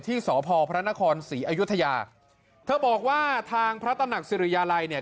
สพพระนครศรีอยุธยาเธอบอกว่าทางพระตำหนักสิริยาลัยเนี่ย